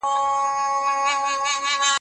ایا ستا مقاله په کوم سیمینار کي وړاندې سوي؟